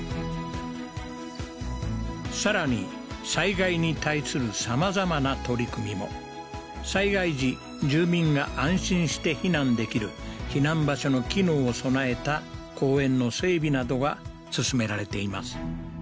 更に災害に対する様々な取り組みも災害時住民が安心して避難できる避難場所の機能を備えた公園の整備などが進められています